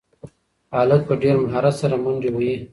هلک په ډېر مهارت سره منډې وهي.